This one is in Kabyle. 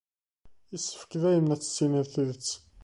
Yessefk dima ad d-tettinid tidet.